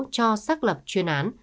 cho xác lập chuyên án